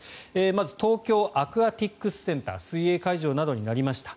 まず東京アクアティクスセンター水泳会場などになりました。